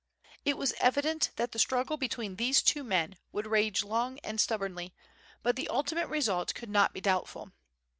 It was evident that the struggle between these two men would rage long and stubbornly, but the ultimate result could not be doubtful.